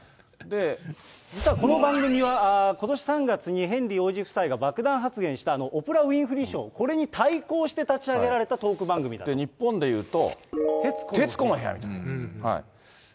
実はこの番組はことし３月にヘンリー王子夫妻が爆弾発言したオプラ・ウィンフリー・ショー、これに対抗して立ち上げられたトーク日本でいうと、徹子の部屋みたいな。